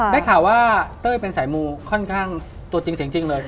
ได้ข่าวว่าเต้ยเป็นสายมูค่อนข้างตัวจริงเลย